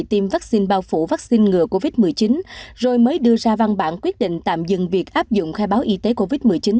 tiêm vaccine bao phủ vaccine ngừa covid một mươi chín rồi mới đưa ra văn bản quyết định tạm dừng việc áp dụng khai báo y tế covid một mươi chín